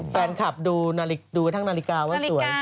แฟนคลับดูทั้งนาฬิกาว่าสวย